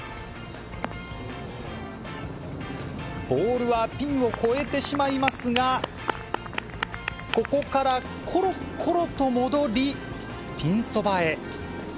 ボールはピンを越えてしまいますが、ここからころころと戻り、ピンそばへ。